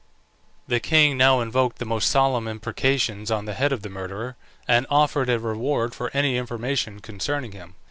The king now invoked the most solemn imprecations on the head of the murderer, and offered a reward for any information concerning him.